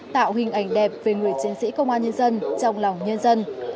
tạo hình ảnh đẹp về người chiến sĩ công an nhân dân trong lòng nhân dân